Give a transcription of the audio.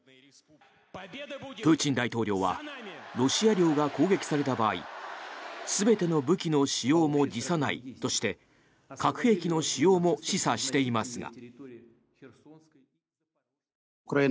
プーチン大統領はロシア領が攻撃された場合全ての武器の使用も辞さないとして核兵器の使用も示唆していますが。